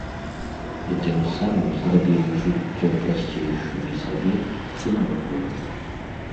І тым самым зрабілі жыццё прасцейшым і сабе, і навакольным.